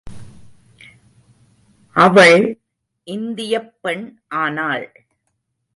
அவள் இந்தியப் பெண் ஆனாள்.